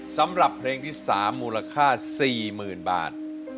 สำหรับเพลงที่๓มูลค่า๔๐๐๐บาท